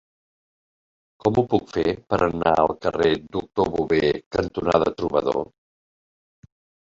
Com ho puc fer per anar al carrer Doctor Bové cantonada Trobador?